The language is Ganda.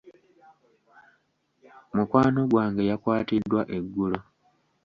Mukwano gwange yakwatiddwa eggulo.